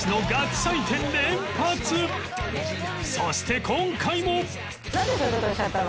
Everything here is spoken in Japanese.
そして今回も